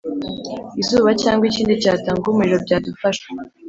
izuba cyangwa ikindi cyatanga umuriro byadufasha